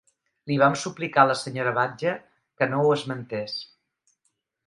Li vam suplicar a la senyora Badger que no ho esmentés.